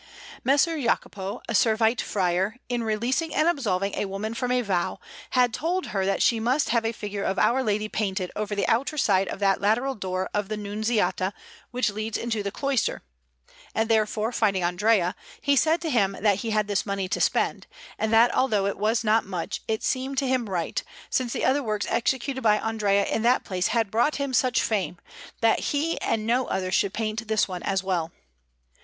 M. Jacopo, a Servite friar, in releasing and absolving a woman from a vow, had told her that she must have a figure of Our Lady painted over the outer side of that lateral door of the Nunziata which leads into the cloister; and therefore, finding Andrea, he said to him that he had this money to spend, and that although it was not much it seemed to him right, since the other works executed by Andrea in that place had brought him such fame, that he and no other should paint this one as well.